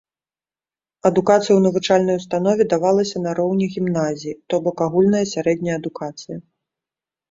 Адукацыя ў навучальнай установе давалася на роўні гімназіі, то бок агульная сярэдняя адукацыя.